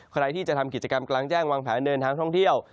ใครที่จะทำกิจกรรมกลางแจ้งวางแผนเดินทางท่องเที่ยว